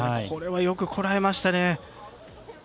これはよくこらえましたね。